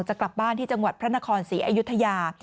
จะกลับบ้านที่จังหวัดพระนครศรีอยุธยา